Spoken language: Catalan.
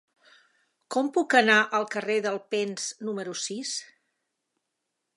Com puc anar al carrer d'Alpens número sis?